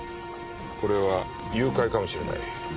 これは誘拐かもしれない。